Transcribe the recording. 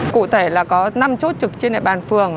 cụ thể là có năm chỗ trực trên đại bàn phường